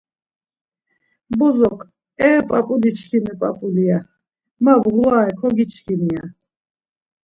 Bozok, E p̌ap̌uli çkimi p̌ap̌uli, ya, ma bğurare kogiçkini? ya.